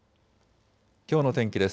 きょうの天気です。